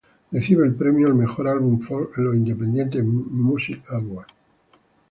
Recibe el premio al mejor álbum folk en los Independent Music Awards.